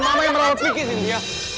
mereka mama yang merawat vicky cynthia